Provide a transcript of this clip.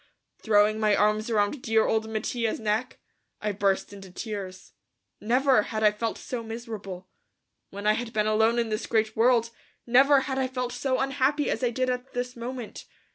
Throwing my arms around dear old Mattia's neck, I burst into tears. Never had I felt so miserable. When I had been alone in this great world, never had I felt so unhappy as I did at this moment.